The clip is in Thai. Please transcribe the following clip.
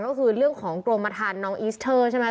ก็คือเรื่องของกรมฐานน้องอีสเทอร์ใช่ไหม